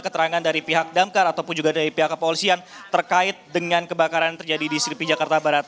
keterangan dari pihak damkar ataupun juga dari pihak kepolisian terkait dengan kebakaran yang terjadi di selipi jakarta barat